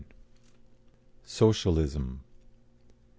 SOCIALISM.